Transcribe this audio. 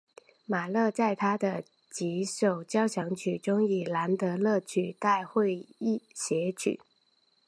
马勒在他的几首交响曲中以兰德勒取代诙谐曲。